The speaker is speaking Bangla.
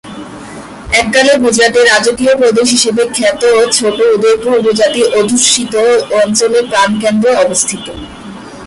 এককালে গুজরাটের রাজকীয় প্রদেশ হিসেবে খ্যাত ছোট উদয়পুর উপজাতি অধ্যুষিত অঞ্চলের প্রাণকেন্দ্রে অবস্থিত।